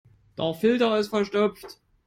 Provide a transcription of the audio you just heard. Der Filter ist verstopft.